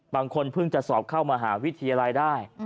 บางคนเพิ่งจะสอบเข้ามหาวิทยาลัยได้